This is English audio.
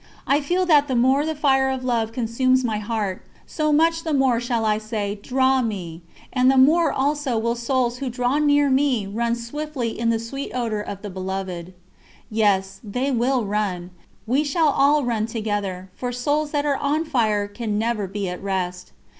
I feel that the more the fire of love consumes my heart, so much the more shall I say: "Draw me!" and the more also will souls who draw near me run swiftly in the sweet odour of the Beloved. Yes, they will run we shall all run together, for souls that are on fire can never be at rest.